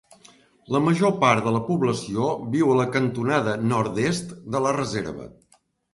La major part de la població viu a la cantonada nord-est de la reserva.